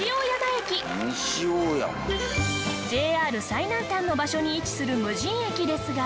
ＪＲ最南端の場所に位置する無人駅ですが。